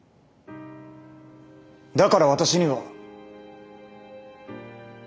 だから私には。